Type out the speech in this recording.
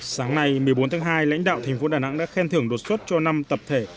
sáng nay một mươi bốn tháng hai lãnh đạo thành phố đà nẵng đã khen thưởng đột xuất cho năm tập thể